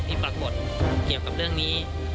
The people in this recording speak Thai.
ปรากฏเกี่ยวกับเรื่องนี้